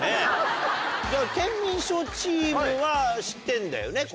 「ケンミンＳＨＯＷチーム」は知ってんだよね？